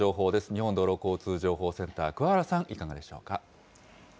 日本道路交通情報センター、くわ原さん、いかがでしょうか。